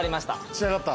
仕上がった？